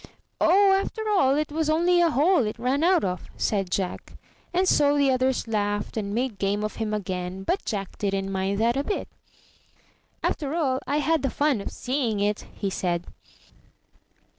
"Oh, after all, it was only a hole it ran out of," said Jack; and so the others laughed and made game of him again, but Jack didn't mind that a bit. "After all, I had the fun of seeing it," he said.